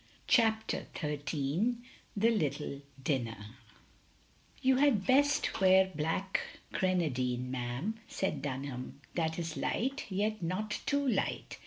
CHAPTER XIII THE LITTLE DINNER "You had best wear black grenadine, ma'am," said Dunham. "That is light, yet not too light.